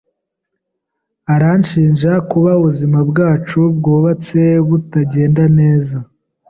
Aranshinja kuba ubuzima bwacu bwubatse butagenda neza.